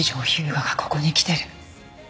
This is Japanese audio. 牙がここに来てる。